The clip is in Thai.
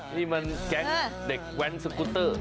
นี่มันแก๊งเด็กแว้นสกุตเตอร์